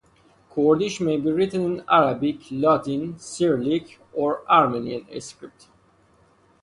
Kurdish may be written in Arabic, Latin, Cyrillic or Armenian script.